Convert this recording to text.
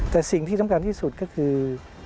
แต่สิ่งที่สำคัญที่สุดก็คือ